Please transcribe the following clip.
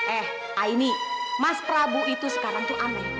eh aini mas prabu itu sekarang tuh aneh